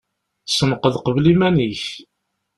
Senqed qbel iman-ik.